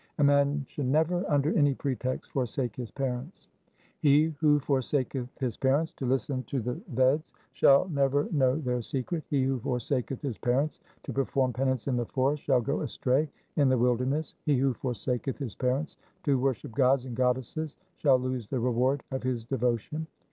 2 A man should never under any pretext forsake his parents :— He who forsaketh his parents to listen to the Veds, shall never know their secret. He who forsaketh his parents to perform penance in the forest, shall go astray in the wilderness. He who forsaketh his parents to worship gods and goddesses, shall lose the reward of his devotion.